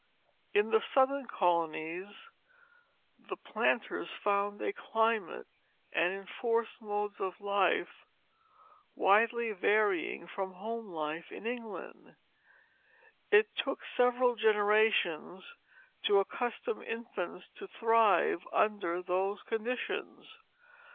In the southern colonies the planters found a climate and enforced modes of life widely varying from home life in England; it took several generations to accustom infants to thrive under those conditions.